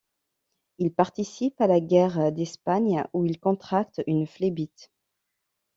Il participe à la guerre d'Espagne, où il contracte une phlébite.